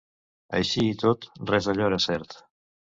Així i tot, res d'allò era cert.